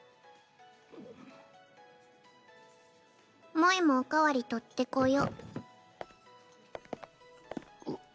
萌もおかわり取ってこよ。